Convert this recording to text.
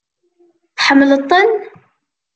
Tḥemmleḍ-ten?